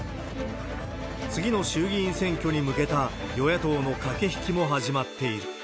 次の衆議院選挙に向けた与野党の駆け引きも始まっている。